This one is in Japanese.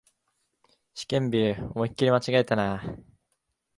試験日、思いっきり間違えたな